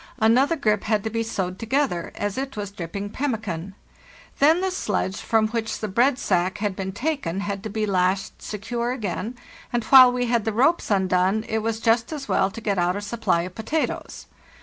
Another grip had to be sewed together, as it was dripping pemmican. Then the sledge from which the bread sack had been taken had to be lashed secure again, and while we had the ropes undone it was just as well to get out a supply of potatoes.